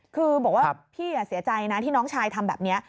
คือบอกว่าพี่เสียใจนะที่น้องชายทำแบบนี้